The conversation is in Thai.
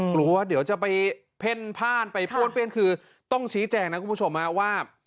กลัวเดี๋ยวจะไปเพ่นพ่านไปป้วนเปี้ยนคือต้องชี้แจงนะคุณผู้ชมว่า